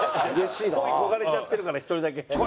恋焦がれちゃってるから１人だけ。